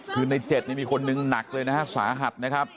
คือในเจ็บเนี้ยมีคนนึงหนักเลยนะฮะสาหัสนะครับ